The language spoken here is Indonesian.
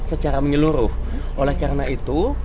secara menyeluruh oleh karena itu